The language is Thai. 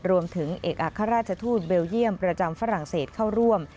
รวมถึงเอกอัครราชทูตเบลเยี่ยมประจำฝรั่งเศสเข้าร่วม